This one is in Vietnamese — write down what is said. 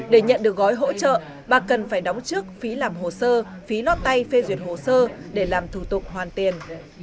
để nhận được gói hỗ trợ bà cần phải đóng trước phí làm hồ sơ phí lót tay phê duyệt hồ sơ để làm thủ tục hoàn tiền